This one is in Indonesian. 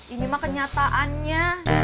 ini mah kenyataannya